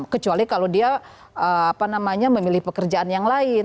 kecuali kalau dia memilih pekerjaan yang lain